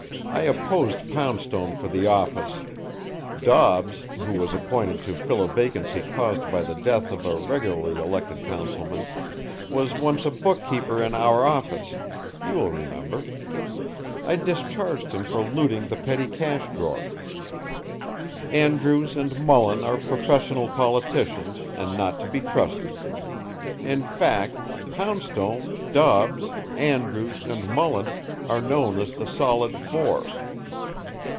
I opposed Poundstone for the office; Dobbs, who was appointed to fill a vacancy caused by the death of a regularly elected councilman, was once a bookkeeper in our office, you will remember. I discharged him for looting the petty cash drawer. Andrews and Mullin are professional politicians and not to be trusted. In fact, Poundstone, Dobbs, Andrews, and Mullin are known as the Solid Four.